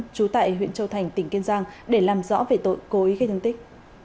trú tại huyện châu thành tỉnh kiên giang để làm rõ về tội cố ý gây thương tích